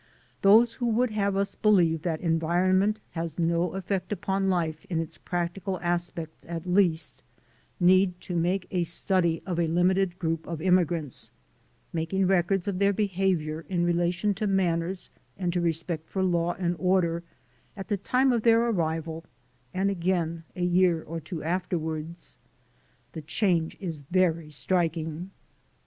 Those who would have us believe that environment has no effect upon life in its practical aspects at least, need to make a study of a limited group of immigrants, making records of their behavior in relation to manners and to respect for law and order at the time of their arrival, and again a year or two afterwards. The change is very striking.